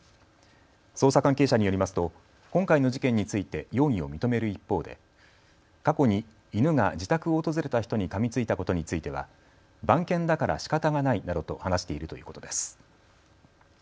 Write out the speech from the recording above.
捜査関係者によりますと今回の事件について容疑を認める一方で過去に犬が自宅を訪れた人にかみついたことについては番犬だからしかたがないなどと話しているということです。